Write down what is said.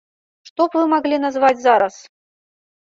Што б вы маглі назваць зараз?